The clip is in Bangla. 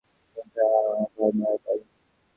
এটা আমার ভাইয়ের বাড়ি।